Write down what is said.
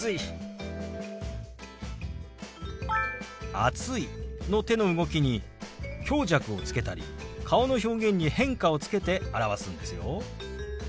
「暑い」の手の動きに強弱をつけたり顔の表現に変化をつけて表すんですよ。